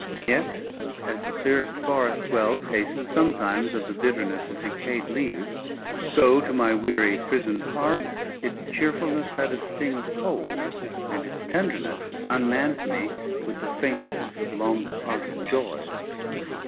Yet, as the clearest forest well tastes sometimes of the bitterness of decayed leaves, so to my weary, prisoned heart, its cheerfulness had a sting of cold, and its tenderness unmanned me with the faintness of long departed joys.